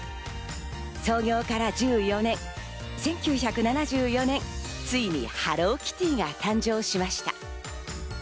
創業から１４年、１９７４年、ついにハローキティが誕生しました。